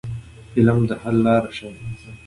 فلم د حل لارې ښيي